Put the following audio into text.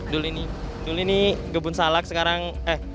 dul ini dul ini gebun salak sekarang eh